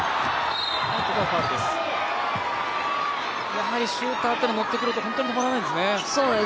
やはりシューターというのは乗ってくると本当に止まらないですね。